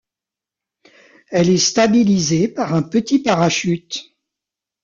Elle est stabilisée par un petit parachute.